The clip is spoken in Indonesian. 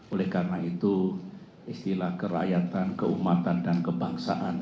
oleh karena itu istilah kerakyatan keumatan dan kebangsaan